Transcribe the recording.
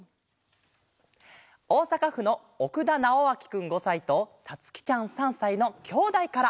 おおさかふのおくだなおあきくん５さいとさつきちゃん３さいのきょうだいから。